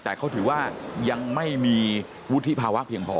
แต่เขาถือว่ายังไม่มีวุฒิภาวะเพียงพอ